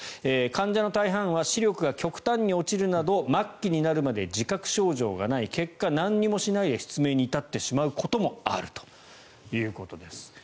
患者の大半は視力が極端に落ちるなど末期になるまで自覚症状がない結果、何もしないで失明に至ってしまうこともあるということです。